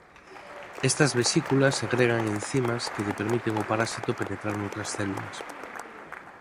Estas vesículas segregan encimas que lle permiten ao parasito penetrar noutras células.